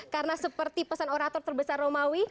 karena seperti pesan orator terbesar romawi